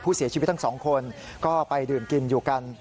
ผู้เสียชีวิตทั้งสองคนก็ไปดื่มกินอยู่กัน